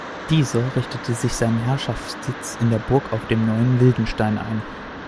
Dieser richtete seinen Herrschaftssitz in der Burg auf dem Neuen Wildenstein ein.